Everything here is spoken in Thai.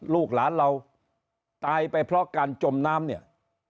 ลูกหลานเราตายไปเพราะการจมน้ำเนี่ย